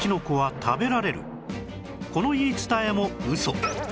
この言い伝えもウソ